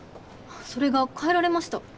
それが帰られました。